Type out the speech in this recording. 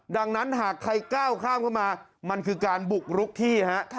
ดังนั้นหากใครก้าวข้ามเข้ามามันคือการบุกรุกที่ฮะ